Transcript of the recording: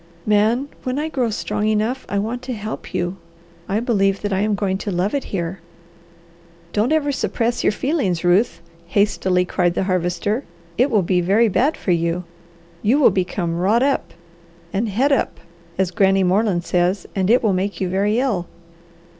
Man, when I grow strong enough I want to help you. I believe that I am going to love it here." "Don't ever suppress your feelings, Ruth!" hastily cried the Harvester. "It will be very bad for you. You will become wrought up, and 'het up,' as Granny Moreland says, and it will make you very ill.